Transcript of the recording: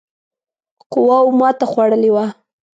قواوو ماته خوړلې وه.